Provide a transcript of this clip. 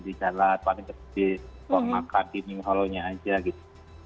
di jalan paling besar di ruang makan dining hall nya aja gitu